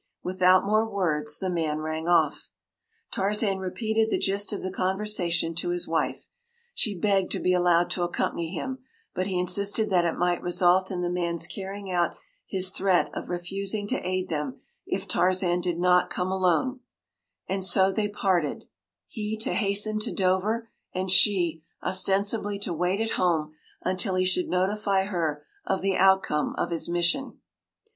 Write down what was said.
” Without more words the man rang off. Tarzan repeated the gist of the conversation to his wife. She begged to be allowed to accompany him, but he insisted that it might result in the man’s carrying out his threat of refusing to aid them if Tarzan did not come alone, and so they parted, he to hasten to Dover, and she, ostensibly to wait at home until he should notify her of the outcome of his mission.